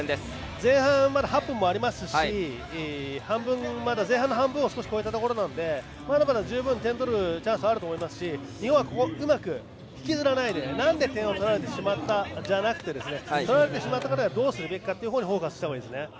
前半まだ８分もありますしまだ前半の半分を越えたところなのでまだまだ十分、点を取るチャンスあると思いますし日本はここをうまく引きずらないで、なんで点を取られてしまったじゃなくて取られてしまったからどうするべきかにフォーカスしたほうがいいです。